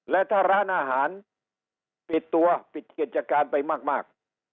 และถ้าร้านอาหารปิดตัวปิดกิจการไปมาก